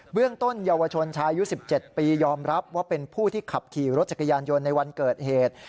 เรื่องต้นเยาวชนชายุ๑๗ปียอมรับว่าเป็นผู้ที่ขับขี่รถจักรยานยนต์ในวันเกิดเหตุ